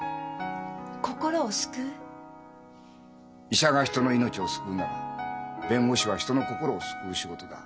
医者が人の命を救うなら弁護士は人の心を救う仕事だ。